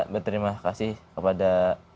berterima kasih kepada